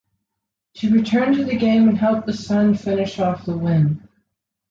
She returned to the game and helped the Sun finish off the win.